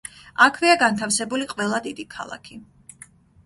აქვეა განთავსებული ყველა დიდი ქალაქი.